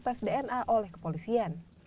dengan penyelidikan dna oleh kepolisian